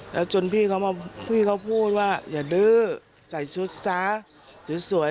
แล้วจนพี่เขาพูดว่าอย่าดื้อใส่ชุดซ้าสวย